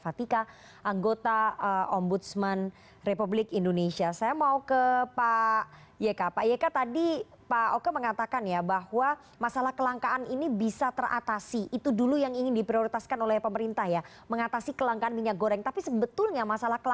oke nanti kita akan bahas soal rantai distribusi dan juga pengawasan di lapangan seperti apa